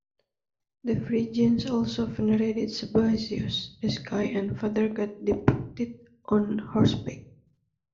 The Phrygians also venerated Sabazios, the sky and father-god depicted on horseback.